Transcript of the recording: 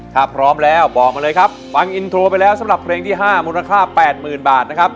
ถ้าพร้อมแล้วบอกมาเลยครับฟังอินโทรไปแล้วสำหรับเพลงที่๕มูลค่า๘๐๐๐บาทนะครับ